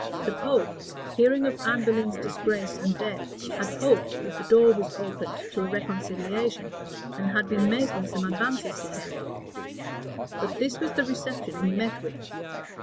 [*] The pope, hearing of Anne Boleyn's disgrace and death, had hoped that the door was opened to a reconciliation, and had been making some advances to Henry: but this was the reception he met with.